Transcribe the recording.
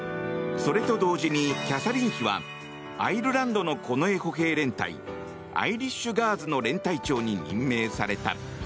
それと同時にキャサリン妃はアイルランドの近衛歩兵連隊アイリッシュ・ガーズの連隊長に任命された。